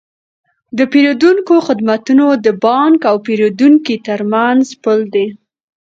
د پیرودونکو خدمتونه د بانک او پیرودونکي ترمنځ پل دی۔